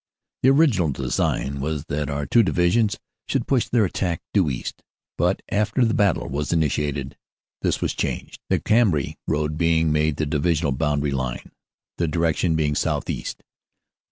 The original design was that our two Divisions should push their attack due east, but after the battle was initiated this was changed, the Cambrai road being made the Divisional bound 122 OPERATIONS: AUG. 26 27 123 ary line, the direction being southeast.